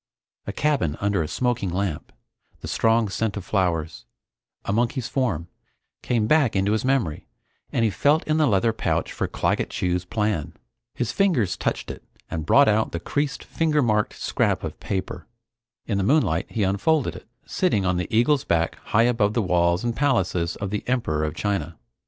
A cabin under a smoking lamp, the strong scent of flowers, a monkey's form, came back into his memory and he felt in the leather pouch for Claggett Chew's plan. His fingers touched it and brought out the creased, finger marked scrap of paper. In the moonlight he unfolded it, sitting on the eagle's back high above the walls and palaces of the Emperor of China.